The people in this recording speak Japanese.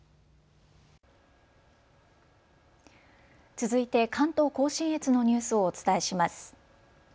続いて関東甲信越のニュースをお伝えします。